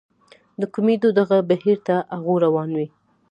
د کمېدو دغه بهير تر هغو روان وي.